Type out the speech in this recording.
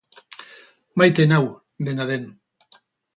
Maite nau, dena den.